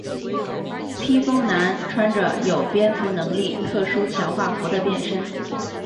披风男穿着有蝙蝠能力特殊强化服的变身。